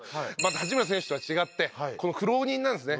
八村選手とは違って苦労人なんですね。